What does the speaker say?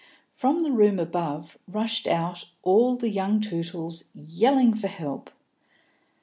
From the room above rushed out all the young Tootles, yelling for help.